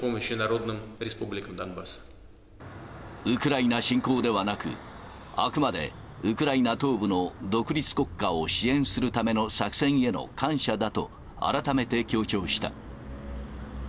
ウクライナ侵攻ではなく、あくまでウクライナ東部の独立国家を支援するための作戦への感謝だと、改めて強調した。